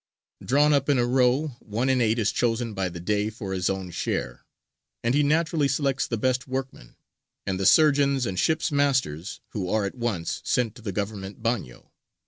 Drawn up in a row, one in eight is chosen by the Dey for his own share, and he naturally selects the best workmen, and the surgeons and ship's masters, who are at once sent to the Government bagnio.